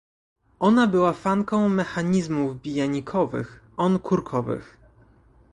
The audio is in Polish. Ona była fanką mechanizmów bijnikowych, on kurkowych.